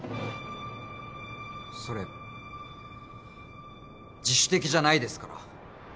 それ自主的じゃないですから。